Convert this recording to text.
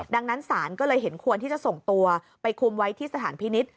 ดังนั้นศาลก็เลยเห็นควรที่จะส่งตัวไปคุมไว้ที่สถานพินิษฐ์